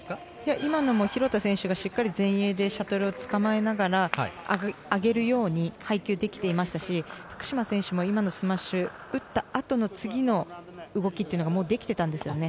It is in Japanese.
今のも廣田選手が前衛でシャトルをつかまえながら上げるように配球できていましたし福島選手も、今のスマッシュを打ったあとの次の動きがもうできていたんですね。